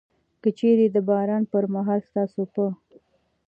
که چيري د باران پر مهال ستاسو په